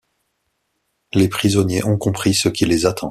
Les prisonniers ont compris ce qui les attend.